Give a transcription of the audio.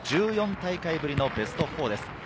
１４大会ぶりのベスト４です。